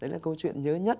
đấy là câu chuyện nhớ nhất